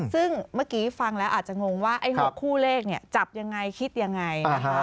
ซึ่งเมื่อกี้ฟังแล้วอาจจะงงว่าไอ้๖คู่เลขเนี่ยจับยังไงคิดยังไงนะคะ